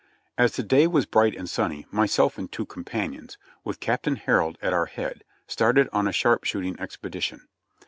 As the day was bright and sunny, myself and two companions, with Captain Herald at our head, started on a sharpshooting ex pedition.